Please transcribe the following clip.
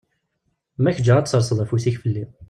Ma ad ak-ǧǧeɣ ad tesserseḍ afus-ik fell-i.